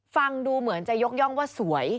ฟังดูเหมือนจะยกย่องว่าสวย